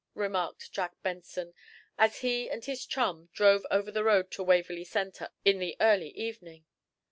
remarked Jack Benson, as he and his chum drove over the road to Waverly Center in the early evening.